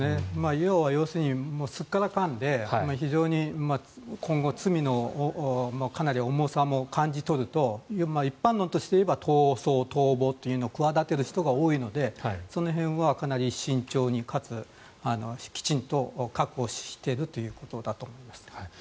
要するにすっからかんで非常に今後罪の重さも感じ取ると一般論として逃走、逃亡というのを企てる人が多いのでその辺はかなり慎重にかつきちんと確保しているということだと思います。